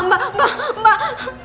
mbak mbak mbak